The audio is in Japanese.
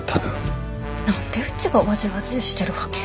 何でうちがわじわじーしてるわけ？